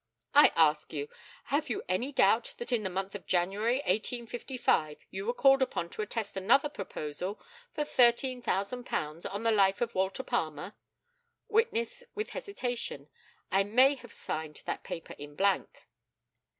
I ask you, have you any doubt that in the month of January, 1855, you were called upon to attest another proposal for £13,000 on the life of Walter Palmer? Witness (with hesitation): I may have signed that paper in blank.